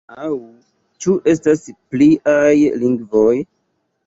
Aŭ ĉu estas pliaj lingvoj?